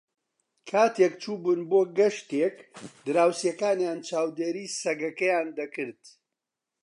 کاتێک چوو بوون بۆ گەشتێک، دراوسێکانیان چاودێریی سەگەکەیان دەکرد.